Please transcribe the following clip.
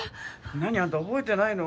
何あんた覚えてないの？